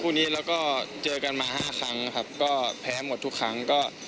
คู่นี้แล้วก็เจอกันมาห้าครั้งครับก็แพ้หมดทุกครั้งก็